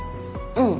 うん。